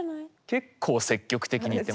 結構積極的にいってますよね。